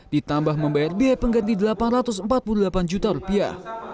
ditambah membayar biaya pengganti delapan ratus empat puluh delapan juta rupiah